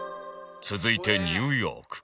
続いてニューヨーク